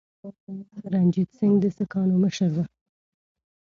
رنجیت سنګ د سکانو مشر و.